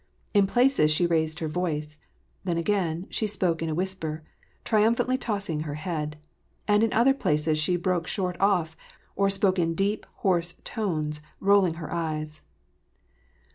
In places she raised her voice ; then, again, she spoke in a whis per, triumphantly tossing her head ; and in other places she broke short off, or spoke in deep, hoarse tones, rolling her eyes.